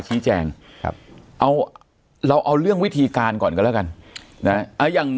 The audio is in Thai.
ชี้แจงครับเอาเราเอาเรื่องวิธีการก่อนกันแล้วกันนะอย่าง